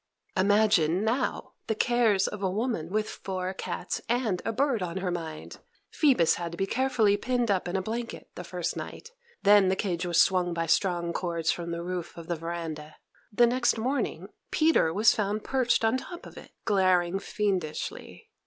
Imagine, now, the cares of a woman with four cats and a bird on her mind! Phoebus had to be carefully pinned up in a blanket the first night; then the cage was swung by strong cords from the roof of the veranda. The next morning, Peter was found perched on top of it, glaring fiendishly.